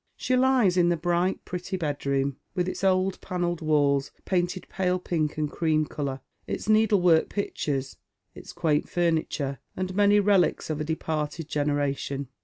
She lies in the bright pretty bedroom, with its old panelled walls painted pale pink and cream colour, its needlework pictures, its quaint furniture, and many relics of a departed generation.